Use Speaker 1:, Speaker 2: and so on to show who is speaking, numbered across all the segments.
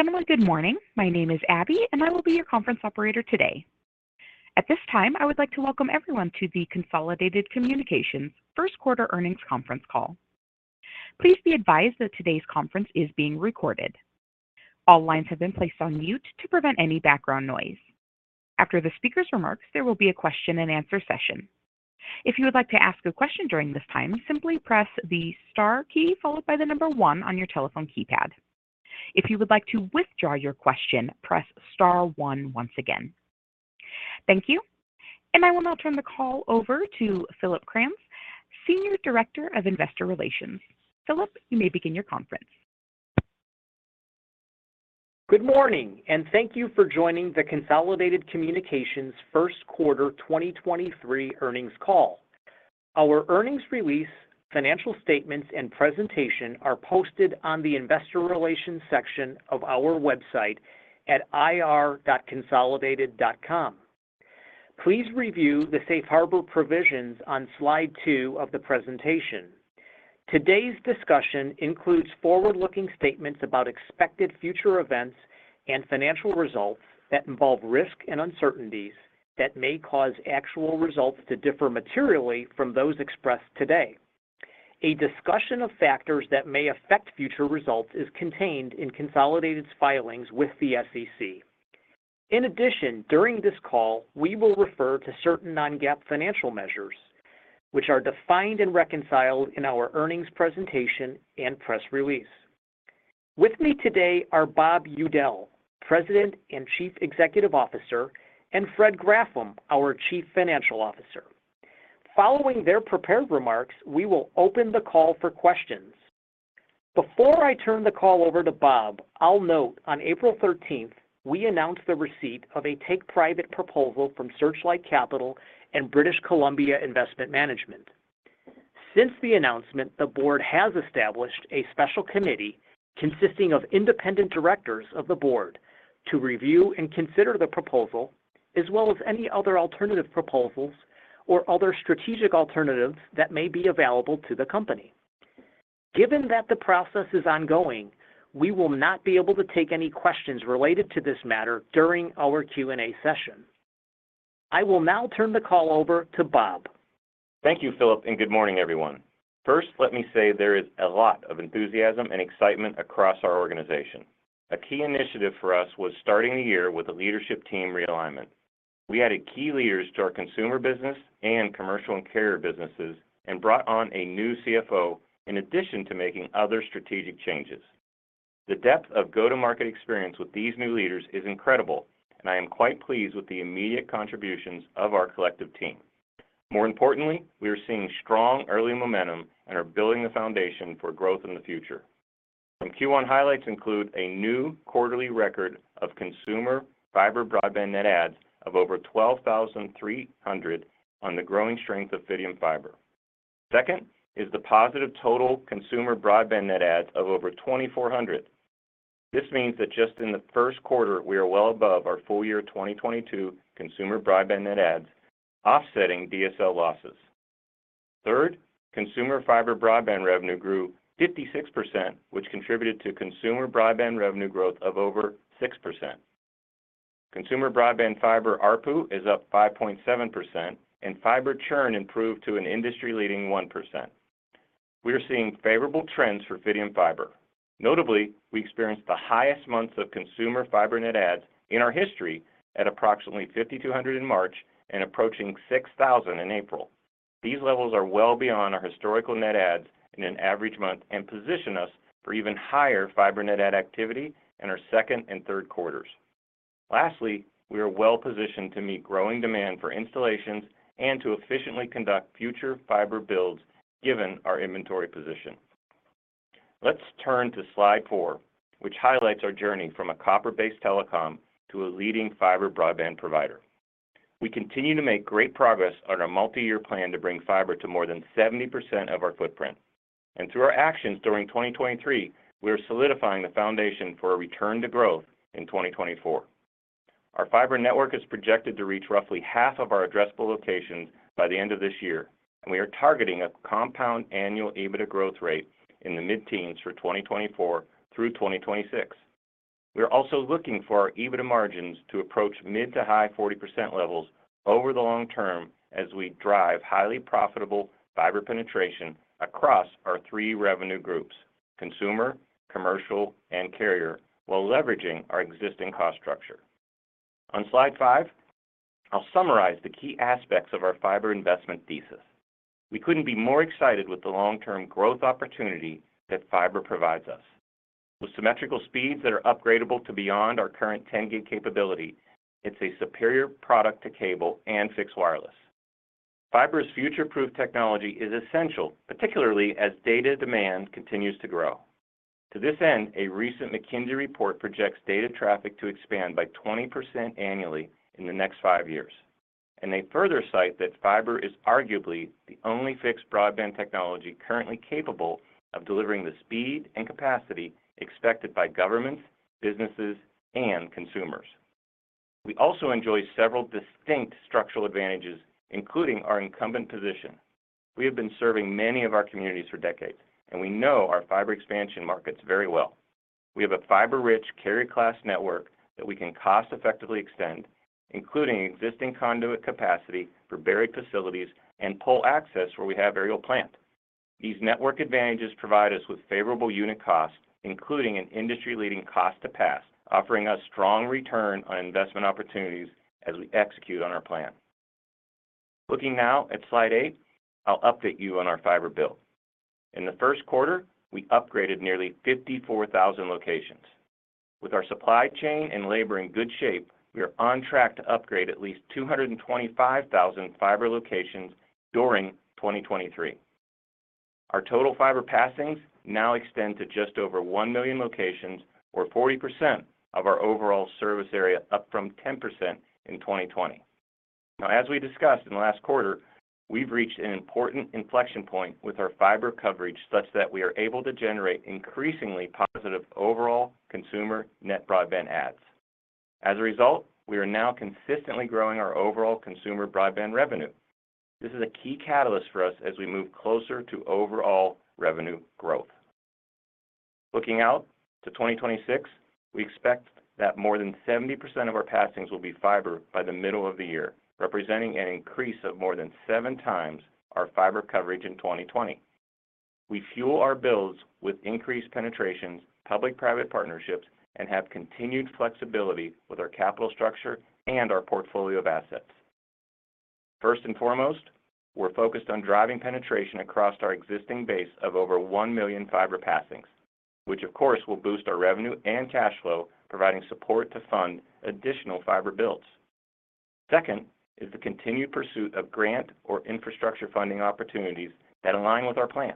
Speaker 1: Ladies and gentlemen, good morning. My name is Abby, and I will be your conference operator today. At this time, I would like to welcome everyone to the Consolidated Communications First Quarter Earnings Conference Call. Please be advised that today's conference is being recorded. All lines have been placed on mute to prevent any background noise. After the speaker's remarks, there will be a question and answer session. If you would like to ask a question during this time, simply press the star key followed by the number one on your telephone keypad. If you would like to withdraw your question, press star one once again. Thank you. I will now turn the call over to Philip Kranz, Senior Director of Investor Relations. Philip, you may begin your conference.
Speaker 2: Good morning. Thank you for joining the Consolidated Communications First Quarter 2023 Earnings Call. Our earnings release, financial statements and presentation are posted on the investor relations section of our website at ir.consolidated.com. Please review the safe harbor provisions on slide two of the presentation. Today's discussion includes forward-looking statements about expected future events and financial results that involve risk and uncertainties that may cause actual results to differ materially from those expressed today. A discussion of factors that may affect future results is contained in Consolidated's filings with the SEC. In addition, during this call, we will refer to certain non-GAAP financial measures, which are defined and reconciled in our earnings presentation and press release. With me today are Bob Udell, President and Chief Executive Officer, and Fred Graffam, our Chief Financial Officer. Following their prepared remarks, we will open the call for questions. Before I turn the call over to Bob, I'll note on April 13th, we announced the receipt of a take-private proposal from Searchlight Capital and British Columbia Investment Management. Since the announcement, the board has established a special committee consisting of independent directors of the board to review and consider the proposal, as well as any other alternative proposals or other strategic alternatives that may be available to the company. Given that the process is ongoing, we will not be able to take any questions related to this matter during our Q&A session. I will now turn the call over to Bob.
Speaker 3: Thank you, Philip, and good morning, everyone. First, let me say there is a lot of enthusiasm and excitement across our organization. A key initiative for us was starting the year with a leadership team realignment. We added key leaders to our consumer business and commercial and carrier businesses and brought on a new CFO in addition to making other strategic changes. The depth of go-to-market experience with these new leaders is incredible, and I am quite pleased with the immediate contributions of our collective team. More importantly, we are seeing strong early momentum and are building the foundation for growth in the future. Some Q1 highlights include a new quarterly record of consumer fiber broadband net adds of over 12,300 on the growing strength of Fidium Fiber. Second is the positive total consumer broadband net adds of over 2,400. This means that just in the first quarter, we are well above our full year 2022 consumer broadband net adds, offsetting DSL losses. Third, consumer fiber broadband revenue grew 56%, which contributed to consumer broadband revenue growth of over 6%. Consumer broadband fiber ARPU is up 5.7%, and fiber churn improved to an industry-leading 1%. We are seeing favorable trends for Fidium Fiber. Notably, we experienced the highest months of consumer fiber net adds in our history at approximately 5,200 in March and approaching 6,000 in April. These levels are well beyond our historical net adds in an average month and position us for even higher fiber net add activity in our second and third quarters. Lastly, we are well positioned to meet growing demand for installations and to efficiently conduct future fiber builds given our inventory position. Let's turn to slide 4, which highlights our journey from a copper-based telecom to a leading fiber broadband provider. We continue to make great progress on our multi-year plan to bring fiber to more than 70% of our footprint. Through our actions during 2023, we are solidifying the foundation for a return to growth in 2024. Our fiber network is projected to reach roughly half of our addressable locations by the end of this year, and we are targeting a compound annual EBITDA growth rate in the mid-teens for 2024 through 2026. We are also looking for our EBITDA margins to approach mid to high 40% levels over the long term as we drive highly profitable fiber penetration across our three revenue groups, consumer, commercial, and carrier, while leveraging our existing cost structure. On slide five, I'll summarize the key aspects of our fiber investment thesis. We couldn't be more excited with the long-term growth opportunity that fiber provides us. With symmetrical speeds that are upgradable to beyond our current 10 gig capability, it's a superior product to cable and fixed wireless. Fiber's future-proof technology is essential, particularly as data demand continues to grow. To this end, a recent McKinsey report projects data traffic to expand by 20% annually in the next five years, and they further cite that fiber is arguably the only fixed broadband technology currently capable of delivering the speed and capacity expected by governments, businesses, and consumers. We also enjoy several distinct structural advantages, including our incumbent position. We have been serving many of our communities for decades, and we know our fiber expansion markets very well. We have a fiber-rich carrier class network that we can cost effectively extend, including existing conduit capacity for buried facilities and pole access where we have aerial plant. These network advantages provide us with favorable unit costs, including an industry-leading cost to pass, offering us strong return on investment opportunities as we execute on our plan. Looking now at slide eight, I'll update you on our fiber build. In the first quarter, we upgraded nearly 54,000 locations. With our supply chain and labor in good shape, we are on track to upgrade at least 225,000 fiber locations during 2023. Our total fiber passings now extend to just over 1 million locations or 40% of our overall service area, up from 10% in 2020. Now, as we discussed in the last quarter, we've reached an important inflection point with our fiber coverage such that we are able to generate increasingly positive overall consumer net broadband adds. As a result, we are now consistently growing our overall consumer broadband revenue. This is a key catalyst for us as we move closer to overall revenue growth. Looking out to 2026, we expect that more than 70% of our passings will be fiber by the middle of the year, representing an increase of more than seven times our fiber coverage in 2020. We fuel our builds with increased penetrations, public-private partnerships, and have continued flexibility with our capital structure and our portfolio of assets. First and foremost, we're focused on driving penetration across our existing base of over one million fiber passings, which of course will boost our revenue and cash flow, providing support to fund additional fiber builds. Second is the continued pursuit of grant or infrastructure funding opportunities that align with our plan.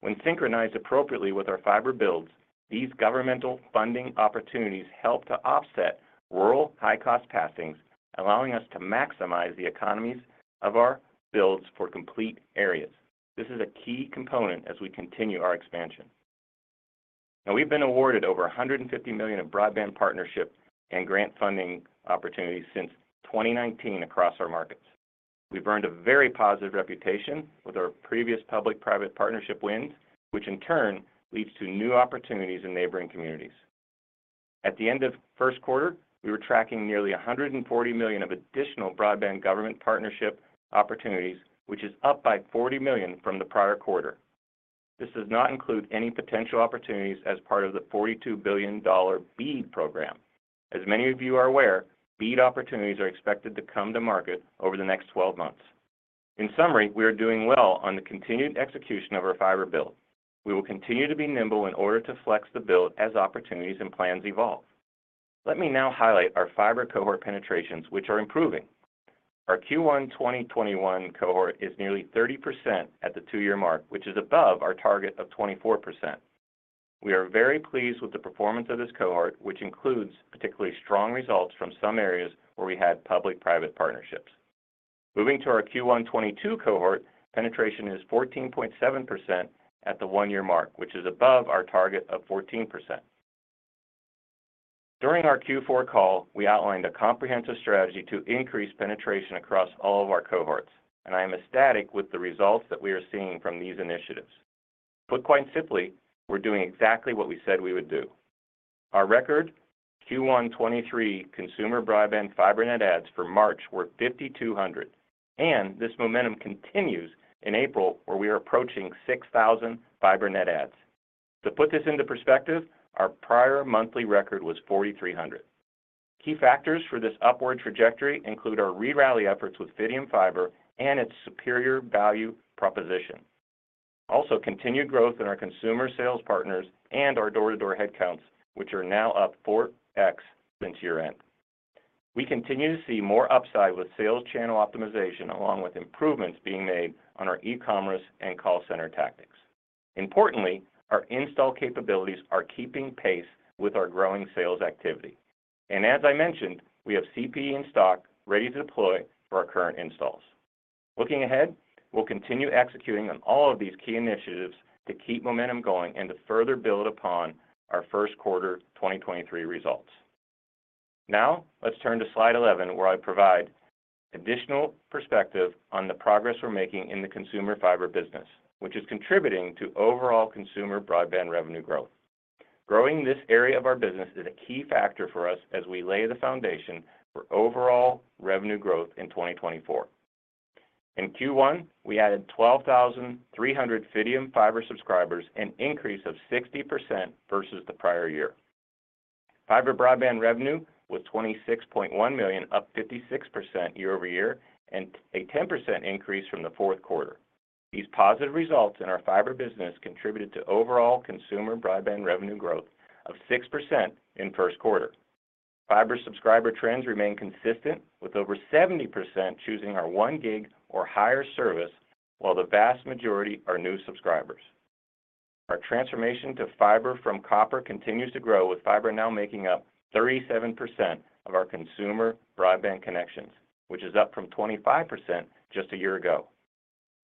Speaker 3: When synchronized appropriately with our fiber builds, these governmental funding opportunities help to offset rural high-cost passings, allowing us to maximize the economies of our builds for complete areas. This is a key component as we continue our expansion. We've been awarded over $150 million of broadband partnerships and grant funding opportunities since 2019 across our markets. We've earned a very positive reputation with our previous public-private partnership wins, which in turn leads to new opportunities in neighboring communities. At the end of 1st quarter, we were tracking nearly $140 million of additional broadband government partnership opportunities, which is up by $40 million from the prior quarter. This does not include any potential opportunities as part of the $42 billion BEAD program. As many of you are aware, BEAD opportunities are expected to come to market over the next 12 months. In summary, we are doing well on the continued execution of our fiber build. We will continue to be nimble in order to flex the build as opportunities and plans evolve. Let me now highlight our fiber cohort penetrations, which are improving. Our Q1 2021 cohort is nearly 30% at the two-year mark, which is above our target of 24%. We are very pleased with the performance of this cohort, which includes particularly strong results from some areas where we had public-private partnerships. Moving to our Q1 2022 cohort, penetration is 14.7% at the one-year mark, which is above our target of 14%. During our Q4 call, we outlined a comprehensive strategy to increase penetration across all of our cohorts. I am ecstatic with the results that we are seeing from these initiatives. Put quite simply, we're doing exactly what we said we would do. Our record Q1 2023 consumer broadband fiber net adds for March were 5,200. This momentum continues in April, where we are approaching 6,000 fiber net adds. To put this into perspective, our prior monthly record was 4,300. Key factors for this upward trajectory include our re-rally efforts with Fidium Fiber and its superior value proposition. Also, continued growth in our consumer sales partners and our door-to-door headcounts, which are now up 4x since year-end. We continue to see more upside with sales channel optimization, along with improvements being made on our e-commerce and call center tactics. Importantly, our install capabilities are keeping pace with our growing sales activity. As I mentioned, we have CPE in stock ready to deploy for our current installs. Looking ahead, we'll continue executing on all of these key initiatives to keep momentum going and to further build upon our first quarter 2023 results. Now, let's turn to slide 11, where I provide additional perspective on the progress we're making in the consumer fiber business, which is contributing to overall consumer broadband revenue growth. Growing this area of our business is a key factor for us as we lay the foundation for overall revenue growth in 2024. In Q1, we added 12,300 Fidium Fiber subscribers, an increase of 60% versus the prior year. Fiber broadband revenue was $26.1 million, up 56% year-over-year, and a 10% increase from the fourth quarter. These positive results in our fiber business contributed to overall consumer broadband revenue growth of 6% in first quarter. Fiber subscriber trends remain consistent with over 70% choosing our 1 gig or higher service, while the vast majority are new subscribers. Our transformation to fiber from copper continues to grow, with fiber now making up 37% of our consumer broadband connections, which is up from 25% just a year ago.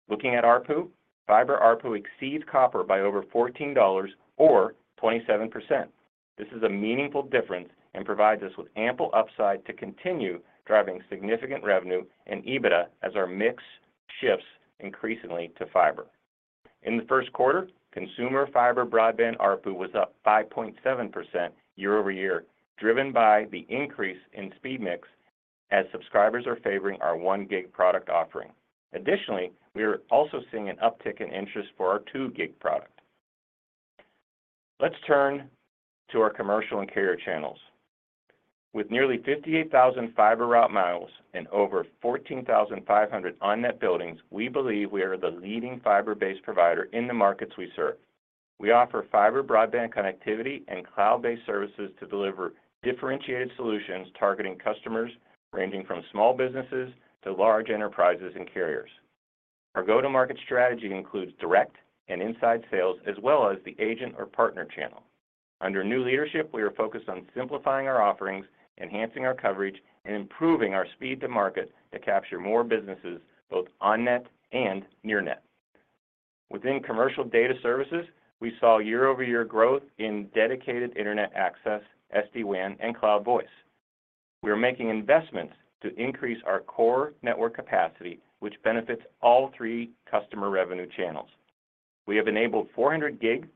Speaker 3: Looking at ARPU, fiber ARPU exceeds copper by over $14 or 27%. This is a meaningful difference and provides us with ample upside to continue driving significant revenue and EBITDA as our mix shifts increasingly to fiber. In the first quarter, consumer fiber broadband ARPU was up 5.7% year-over-year, driven by the increase in speed mix as subscribers are favoring our 1 gig product offering. Additionally, we are also seeing an uptick in interest for our 2 gig product. Let's turn to our commercial and carrier channels. With nearly 58,000 fiber route miles and over 14,500 on net buildings, we believe we are the leading fiber-based provider in the markets we serve. We offer fiber broadband connectivity and cloud-based services to deliver differentiated solutions targeting customers ranging from small businesses to large enterprises and carriers. Our go-to-market strategy includes direct and inside sales, as well as the agent or partner channel. Under new leadership, we are focused on simplifying our offerings, enhancing our coverage, and improving our speed to market to capture more businesses both on-net and near net. Within commercial data services, we saw year-over-year growth in dedicated internet access, SD-WAN, and cloud voice. We are making investments to increase our core network capacity, which benefits all three customer revenue channels. We have enabled 400 gig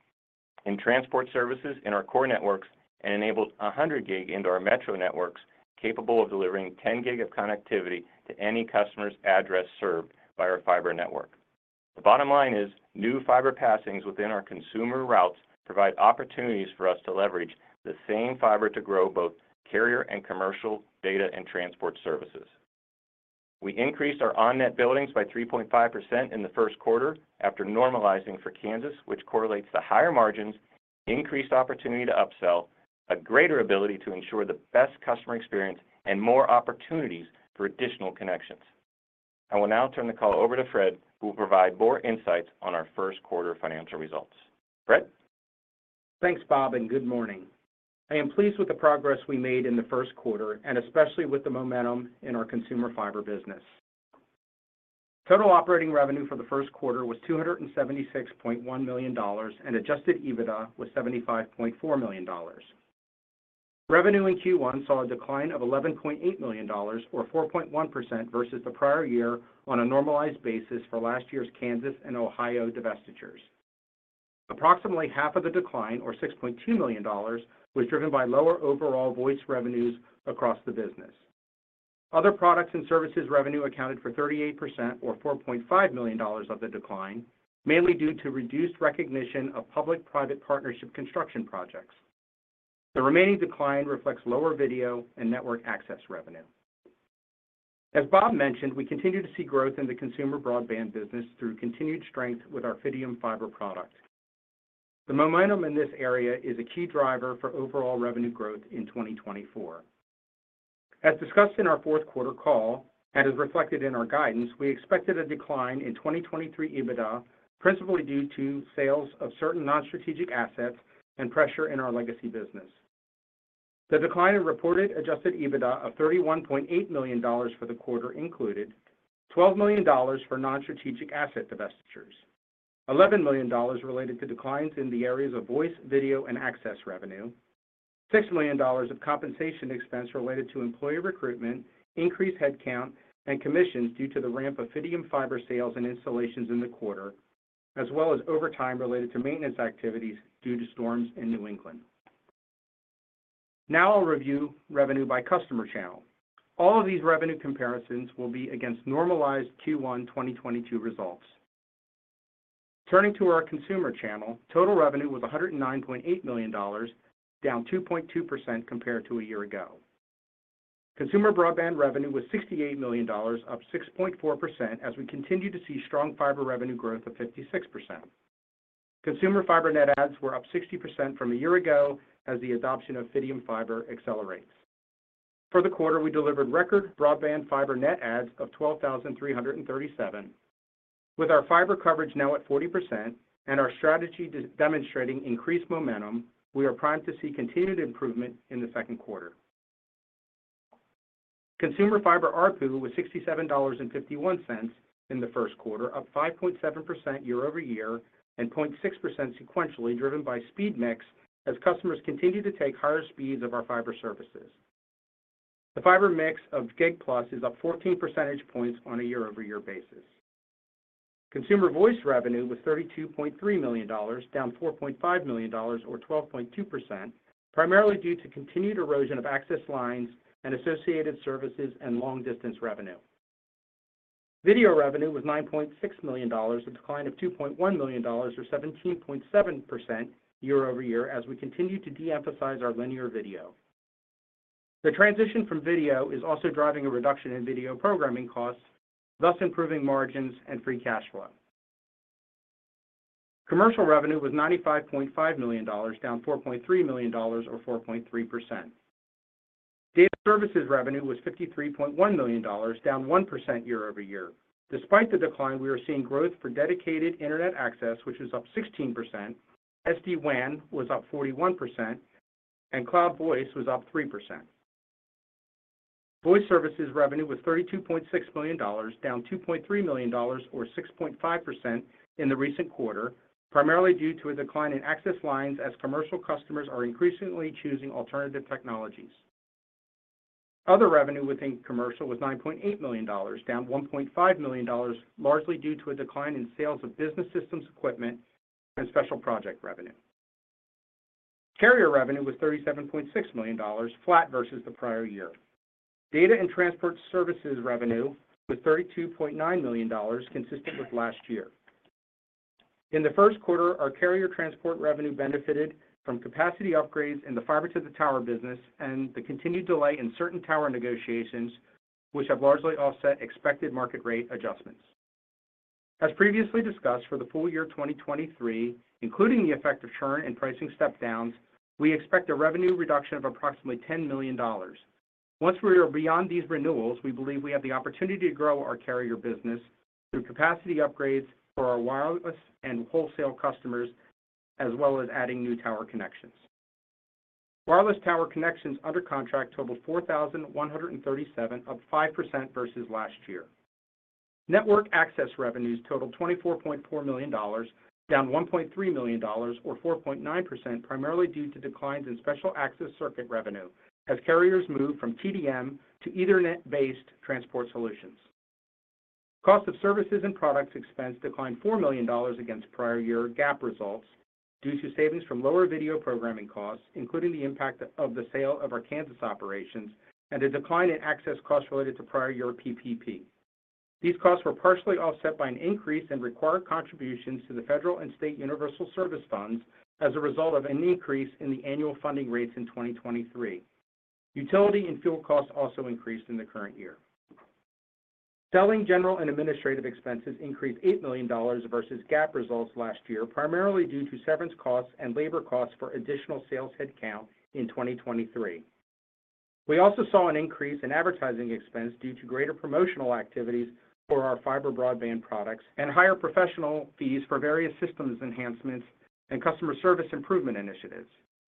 Speaker 3: in transport services in our core networks and enabled 100 gig into our metro networks, capable of delivering 10 gig of connectivity to any customer's address served by our fiber network. The bottom line is new fiber passings within our consumer routes provide opportunities for us to leverage the same fiber to grow both carrier and commercial data and transport services. We increased our on-net buildings by 3.5% in the first quarter after normalizing for Kansas, which correlates to higher margins, increased opportunity to upsell, a greater ability to ensure the best customer experience, and more opportunities for additional connections. I will now turn the call over to Fred, who will provide more insights on our first quarter financial results. Fred?
Speaker 4: Thanks, Bob, good morning. I am pleased with the progress we made in the first quarter and especially with the momentum in our consumer fiber business. Total operating revenue for the first quarter was $276.1 million. Adjusted EBITDA was $75.4 million. Revenue in Q1 saw a decline of $11.8 million or 4.1% versus the prior year on a normalized basis for last year's Kansas and Ohio divestitures. Approximately half of the decline or $6.2 million was driven by lower overall voice revenues across the business. Other products and services revenue accounted for 38% or $4.5 million of the decline, mainly due to reduced recognition of public-private partnership construction projects. The remaining decline reflects lower video and network access revenue. As Bob mentioned, we continue to see growth in the consumer broadband business through continued strength with our Fidium Fiber product. The momentum in this area is a key driver for overall revenue growth in 2024. As discussed in our fourth quarter call and is reflected in our guidance, we expected a decline in 2023 EBITDA principally due to sales of certain non-strategic assets and pressure in our legacy business. The decline in reported Adjusted EBITDA of $31.8 million for the quarter included $12 million for non-strategic asset divestitures, $11 million related to declines in the areas of voice, video, and access revenue, $6 million of compensation expense related to employee recruitment, increased headcount, and commissions due to the ramp of Fidium Fiber sales and installations in the quarter, as well as overtime related to maintenance activities due to storms in New England. I'll review revenue by customer channel. All of these revenue comparisons will be against normalized Q1 2022 results. Turning to our consumer channel, total revenue was $109.8 million, down 2.2% compared to a year ago. Consumer broadband revenue was $68 million, up 6.4% as we continue to see strong fiber revenue growth of 56%. Consumer fiber net adds were up 60% from a year ago as the adoption of Fidium Fiber accelerates. For the quarter, we delivered record broadband fiber net adds of 12,337. With our fiber coverage now at 40% and our strategy demonstrating increased momentum, we are primed to see continued improvement in the second quarter. Consumer fiber ARPU was $67.51 in the first quarter, up 5.7% year-over-year and 0.6% sequentially driven by speed mix as customers continue to take higher speeds of our fiber services. The fiber mix of gig plus is up 14 percentage points on a year-over-year basis. Consumer voice revenue was $32.3 million, down $4.5 million or 12.2%, primarily due to continued erosion of access lines and associated services and long distance revenue. Video revenue was $9.6 million, a decline of $2.1 million or 17.7% year-over-year as we continue to de-emphasize our linear video. The transition from video is also driving a reduction in video programming costs, thus improving margins and free cash flow. Commercial revenue was $95.5 million, down $4.3 million or 4.3%. Data services revenue was $53.1 million, down 1% year-over-year. Despite the decline, we are seeing growth for dedicated internet access, which was up 16%, SD-WAN was up 41%, and cloud voice was up 3%. Voice services revenue was $32.6 million, down $2.3 million or 6.5% in the recent quarter, primarily due to a decline in access lines as commercial customers are increasingly choosing alternative technologies. Other revenue within commercial was $9.8 million, down $1.5 million, largely due to a decline in sales of business systems equipment and special project revenue. Carrier revenue was $37.6 million, flat versus the prior year. Data and transport services revenue was $32.9 million, consistent with last year. In the first quarter, our carrier transport revenue benefited from capacity upgrades in the fiber to the tower business and the continued delay in certain tower negotiations, which have largely offset expected market rate adjustments. As previously discussed, for the full year 2023, including the effect of churn and pricing step downs, we expect a revenue reduction of approximately $10 million. Once we are beyond these renewals, we believe we have the opportunity to grow our carrier business through capacity upgrades for our wireless and wholesale customers, as well as adding new tower connections. Wireless tower connections under contract totaled 4,137, up 5% versus last year. Network access revenues totaled $24.4 million, down $1.3 million or 4.9% primarily due to declines in special access circuit revenue as carriers move from TDM to Ethernet-based transport solutions. Cost of services and products expense declined $4 million against prior year GAAP results due to savings from lower video programming costs, including the impact of the sale of our Kansas operations and a decline in access costs related to prior year PPP. These costs were partially offset by an increase in required contributions to the federal and state Universal Service Fund as a result of an increase in the annual funding rates in 2023. Utility and fuel costs also increased in the current year. Selling, general and administrative expenses increased $8 million versus GAAP results last year, primarily due to severance costs and labor costs for additional sales headcount in 2023. We also saw an increase in advertising expense due to greater promotional activities for our fiber broadband products and higher professional fees for various systems enhancements and customer service improvement initiatives.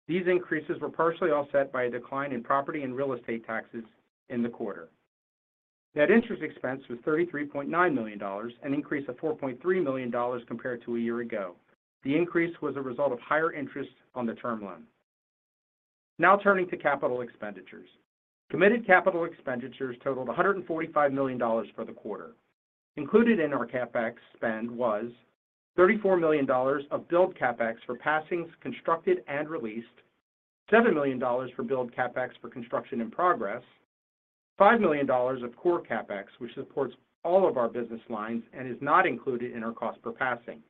Speaker 4: These increases were partially offset by a decline in property and real estate taxes in the quarter. Net interest expense was $33.9 million, an increase of $4.3 million compared to a year ago. The increase was a result of higher interest on the term loan. Now turning to capital expenditures. Committed capital expenditures totaled $145 million for the quarter. Included in our CapEx spend was $34 million of build CapEx for passings constructed and released, $7 million for build CapEx for construction in progress, $5 million of core CapEx, which supports all of our business lines and is not included in our cost per passing,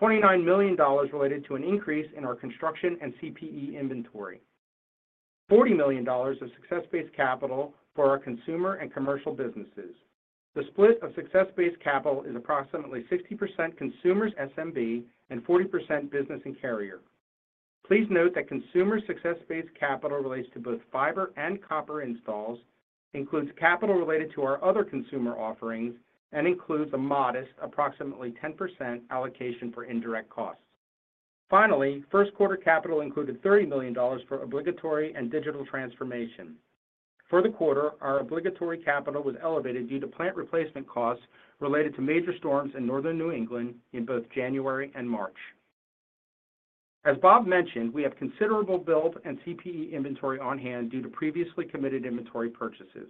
Speaker 4: $29 million related to an increase in our construction and CPE inventory, $40 million of success-based capital for our consumer and commercial businesses. The split of success-based capital is approximately 60% consumer SMB and 40% business and carrier. Please note that consumer success-based capital relates to both fiber and copper installs, includes capital related to our other consumer offerings, and includes a modest, approximately 10% allocation for indirect costs. Finally, first quarter capital included $30 million for obligatory and digital transformation. For the quarter, our obligatory capital was elevated due to plant replacement costs related to major storms in northern New England in both January and March. As Bob mentioned, we have considerable build and CPE inventory on hand due to previously committed inventory purchases.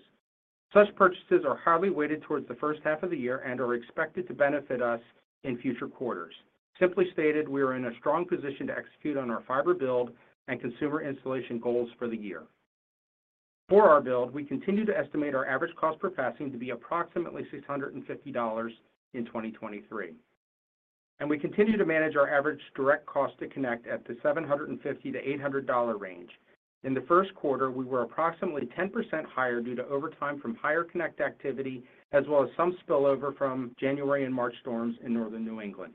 Speaker 4: Such purchases are highly weighted towards the first half of the year and are expected to benefit us in future quarters. Simply stated, we are in a strong position to execute on our fiber build and consumer installation goals for the year. For our build, we continue to estimate our average cost per passing to be approximately $650 in 2023, and we continue to manage our average direct cost to connect at the $750-$800 range. In the first quarter, we were approximately 10% higher due to overtime from higher connect activity as well as some spillover from January and March storms in northern New England.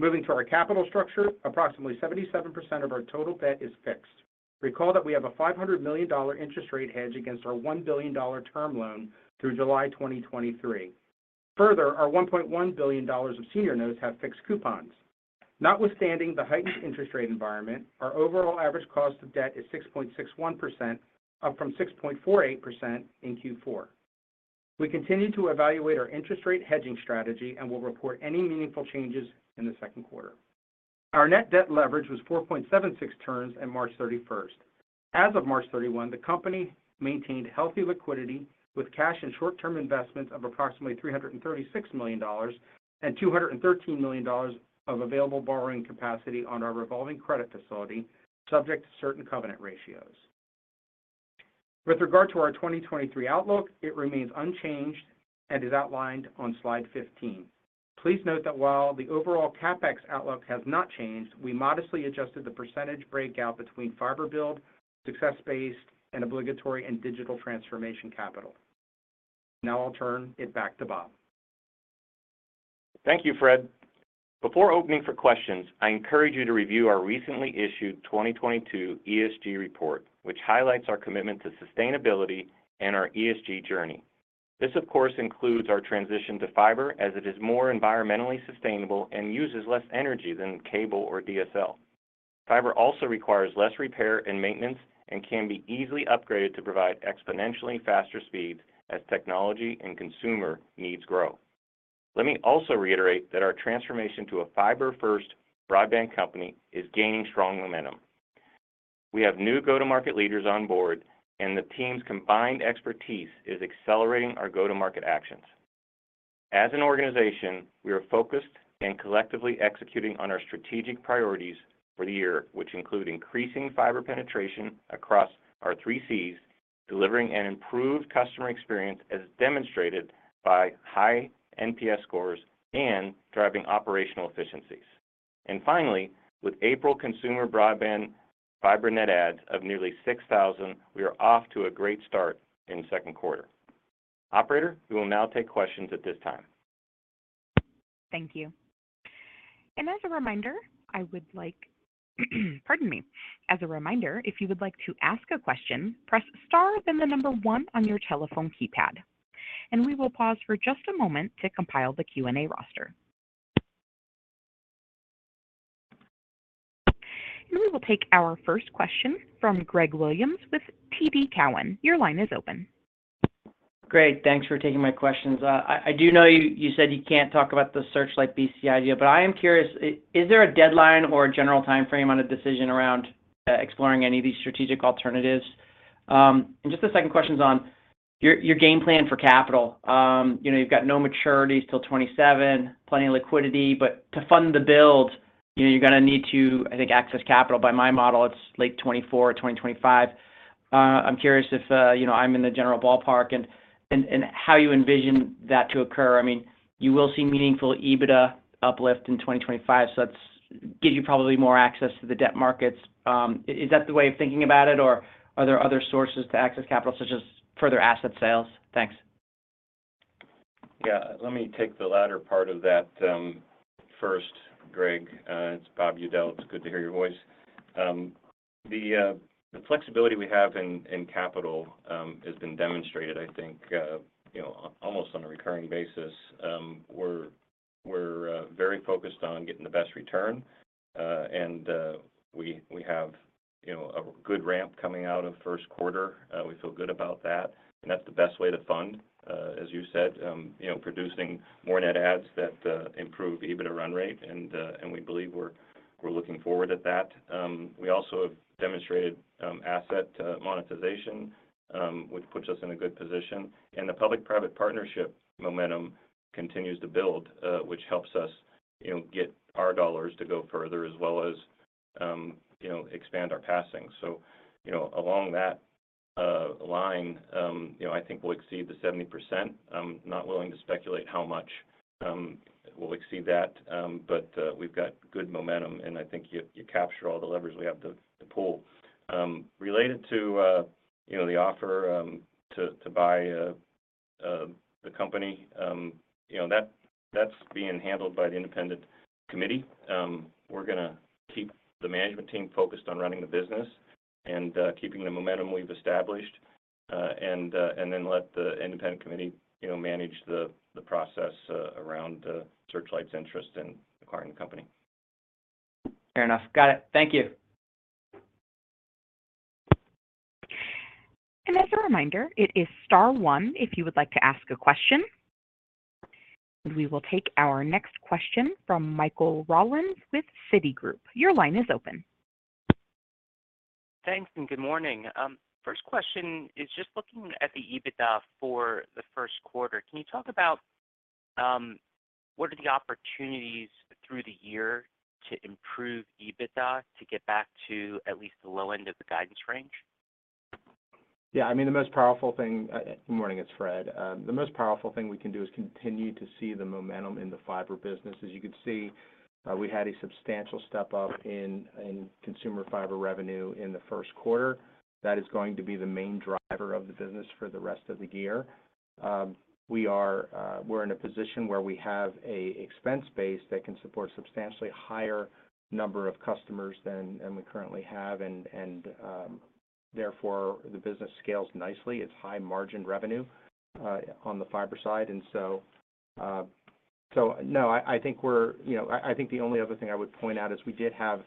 Speaker 4: Moving to our capital structure, approximately 77% of our total debt is fixed. Recall that we have a $500 million interest rate hedge against our $1 billion term loan through July 2023. Further, our $1.1 billion of senior notes have fixed coupons. Notwithstanding the heightened interest rate environment, our overall average cost of debt is 6.61%, up from 6.48% in Q4. We continue to evaluate our interest rate hedging strategy and will report any meaningful changes in the second quarter. Our net debt leverage was 4.76 turns at March 31st. As of March 31, the company maintained healthy liquidity with cash and short-term investments of approximately $336 million and $213 million of available borrowing capacity on our revolving credit facility, subject to certain covenant ratios. With regard to our 2023 outlook, it remains unchanged and is outlined on slide 15. Please note that while the overall CapEx outlook has not changed, we modestly adjusted the percentage breakout between fiber build, success-based, and obligatory and digital transformation capital. I'll turn it back to Bob.
Speaker 3: Thank you, Fred. Before opening for questions, I encourage you to review our recently issued 2022 ESG report, which highlights our commitment to sustainability and our ESG journey. This, of course, includes our transition to fiber as it is more environmentally sustainable and uses less energy than cable or DSL. Fiber also requires less repair and maintenance and can be easily upgraded to provide exponentially faster speeds as technology and consumer needs grow. Let me also reiterate that our transformation to a fiber first broadband company is gaining strong momentum. We have new go-to-market leaders on board, and the team's combined expertise is accelerating our go-to-market actions. As an organization, we are focused and collectively executing on our strategic priorities for the year, which include increasing fiber penetration across our 3Cs, delivering an improved customer experience as demonstrated by high NPS scores, and driving operational efficiencies. Finally, with April consumer broadband fiber net adds of nearly 6,000, we are off to a great start in second quarter. Operator, we will now take questions at this time.
Speaker 1: Thank you. Pardon me. As a reminder, if you would like to ask a question, press star, then one on your telephone keypad. We will pause for just a moment to compile the Q&A roster. We will take our first question from Greg Williams with TD Cowen. Your line is open.
Speaker 5: Great. Thanks for taking my questions. I do know you said you can't talk about the Searchlight BCI idea, but I am curious, is there a deadline or a general timeframe on a decision around exploring any of these strategic alternatives? Just the second question's on your game plan for capital. You know, you've got no maturities till 2027, plenty of liquidity, but to fund the build, you know, you're gonna need to, I think, access capital. By my model, it's late 2024, 2025. I'm curious if, you know, I'm in the general ballpark and, and how you envision that to occur. I mean, you will see meaningful EBITDA uplift in 2025, that's give you probably more access to the debt markets. Is that the way of thinking about it, or are there other sources to access capital such as further asset sales? Thanks.
Speaker 3: Yeah, let me take the latter part of that, first, Greg. It's Bob Udell. It's good to hear your voice. The flexibility we have in capital has been demonstrated, I think, you know, almost on a recurring basis. We're very focused on getting the best return, and we have, you know, a good ramp coming out of first quarter. We feel good about that, and that's the best way to fund, as you said, you know, producing more net adds that improve EBITDA run rate. We believe we're looking forward at that. We also have demonstrated asset monetization, which puts us in a good position. The public-private partnership momentum continues to build, which helps us, you know, get our dollars to go further as well as, you know, expand our passing. You know, along that line, you know, I think we'll exceed the 70%. I'm not willing to speculate how much we'll exceed that, but we've got good momentum, and I think you captured all the levers we have to pull. Related to, you know, the offer to buy the company, you know, that's being handled by the independent committee. We're gonna keep the management team focused on running the business and keeping the momentum we've established, and then let the independent committee, you know, manage the process around Searchlight's interest in acquiring the company.
Speaker 5: Fair enough. Got it. Thank you.
Speaker 1: As a reminder, it is star one if you would like to ask a question. We will take our next question from Michael Rollins with Citigroup. Your line is open.
Speaker 6: Thanks. Good morning. First question is just looking at the EBITDA for the first quarter. Can you talk about what are the opportunities through the year to improve EBITDA to get back to at least the low end of the guidance range?
Speaker 3: Yeah, I mean, the most powerful thing. Good morning, it's Fred. The most powerful thing we can do is continue to see the momentum in the fiber business. As you can see, we had a substantial step-up in consumer fiber revenue in the first quarter. That is going to be the main driver of the business for the rest of the year. We're in a position where we have a expense base that can support substantially higher number of customers than we currently have, and therefore, the business scales nicely. It's high margin revenue on the fiber side. No, I think we're, you know, I think the only other thing I would point out is we did have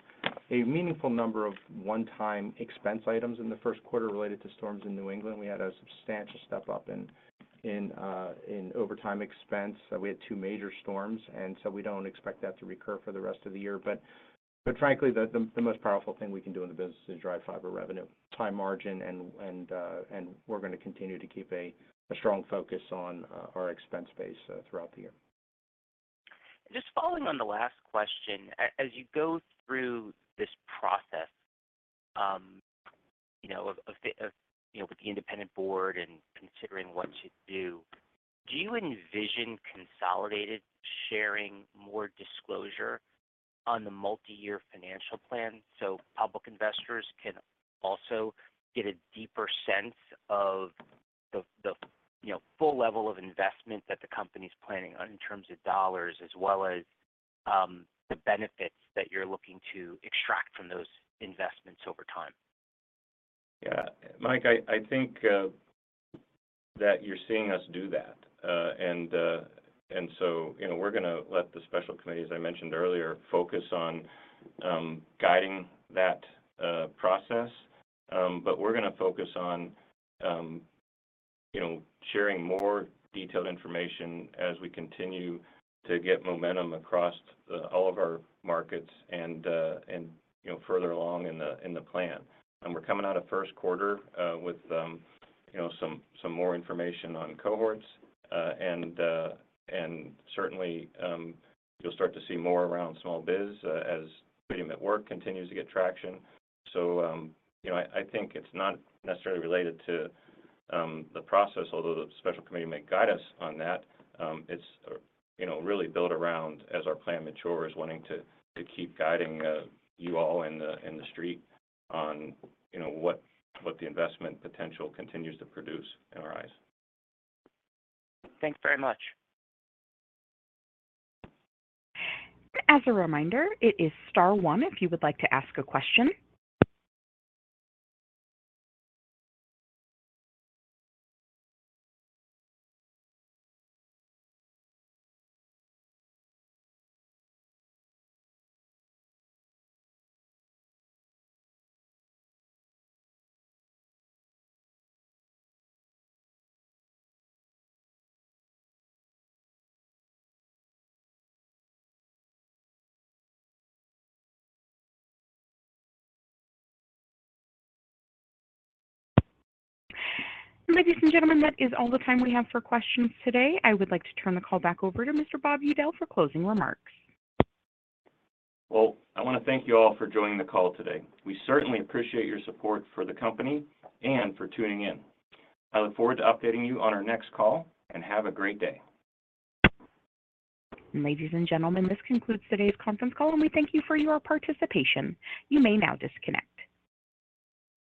Speaker 3: a meaningful number of one-time expense items in the first quarter related to storms in New England. We had a substantial step-up in overtime expense. We had two major storms. We don't expect that to recur for the rest of the year. Frankly, the most powerful thing we can do in the business is drive fiber revenue, high margin, and we're gonna continue to keep a strong focus on our expense base throughout the year.
Speaker 6: Just following on the last question, as you go through this process, you know, of the, you know, with the independent board and considering what to do you envision Consolidated sharing more disclosure on the multi-year financial plan so public investors can also get a deeper sense of the, you know, full level of investment that the company's planning on in terms of dollars as well as the benefits that you're looking to extract from those investments over time?
Speaker 3: Yeah. Mike, I think that you're seeing us do that. You know, we're gonna let the special committee, as I mentioned earlier, focus on guiding that process. We're gonna focus on, you know, sharing more detailed information as we continue to get momentum across all of our markets and, you know, further along in the plan. We're coming out of first quarter with, you know, some more information on cohorts. Certainly, you'll start to see more around small biz, as Fidium@Work continues to get traction. You know, I think it's not necessarily related to the process, although the special committee may guide us on that. It's, you know, really built around as our plan matures, wanting to keep guiding, you all in the street on, you know, what the investment potential continues to produce in our eyes.
Speaker 6: Thanks very much.
Speaker 1: As a reminder, it is star one if you would like to ask a question. Ladies and gentlemen, that is all the time we have for questions today. I would like to turn the call back over to Mr. Bob Udell for closing remarks.
Speaker 3: I want to thank you all for joining the call today. We certainly appreciate your support for the company and for tuning in. I look forward to updating you on our next call, and have a great day.
Speaker 1: Ladies and gentlemen, this concludes today's conference call, and we thank you for your participation. You may now disconnect.